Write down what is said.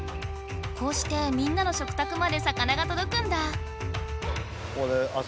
こうしてみんなのしょくたくまで魚がとどくんだ！